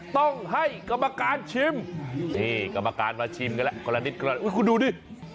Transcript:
ต้องให้กรรมการชิมนี่กรรมการมาชิมกันแล้วคนละนิดคนละอุ้ยคุณดูดิ